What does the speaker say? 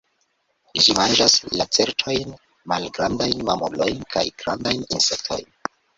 Ĝi manĝas lacertojn, malgrandajn mamulojn kaj grandajn insektojn.